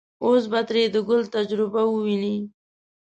اوس به ترې د ګل تجربه وويني.